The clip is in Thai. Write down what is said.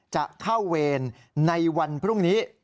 จะเข้าเวรในวันพรุ่งนี้